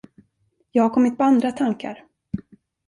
Jag har kommit på andra tankar.